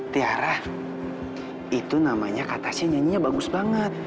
tiara itu namanya kak tasya nyanyinya bagus banget